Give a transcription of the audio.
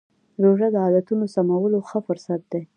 روژه د عادتونو سمولو ښه فرصت دی.